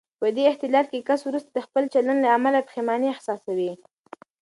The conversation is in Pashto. په دې اختلال کې کس وروسته د خپل چلن له امله پښېماني احساسوي.